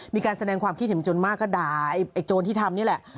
มีการแสดงความคิดเห็นจนมากก็ด่าไอ้โจรที่ทำนี่แหละ